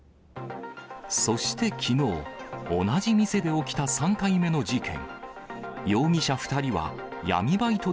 そしてきのう、同じ店で起きた３回目の事件。